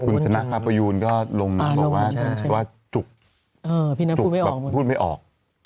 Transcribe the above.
คุณชนะอาประยูนก็ลงบอกว่าจุกจุกแบบพูดไม่ออก